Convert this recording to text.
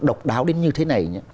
độc đáo đến như thế này